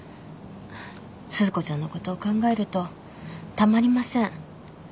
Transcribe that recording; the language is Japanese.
鈴子ちゃんのことを考えるとたまりません。